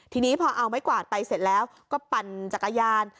ทีนี้พอเอาไม้กวาดไปเสร็จแล้วก็ปั่นจักรยาน